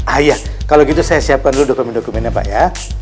ayah kalau gitu saya siapkan dulu dokumen dokumennya pak ya